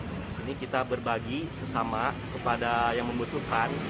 di sini kita berbagi sesama kepada yang membutuhkan